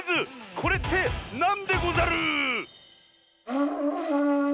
「これってなんでござる」！